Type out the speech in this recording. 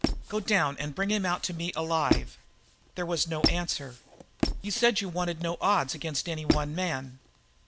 Go down and bring him out to me alive!" There was no answer. "You said you wanted no odds against any one man."